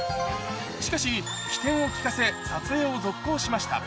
しかし、機転を利かせ、撮影を続行しました。